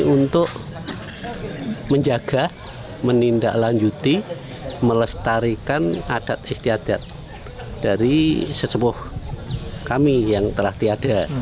untuk menjaga menindaklanjuti melestarikan adat istiadat dari sesepuh kami yang telah tiada